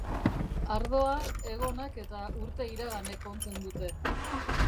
Ardoa egonak eta urte iraganek ontzen dute.